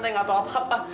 saya gak tau apa apa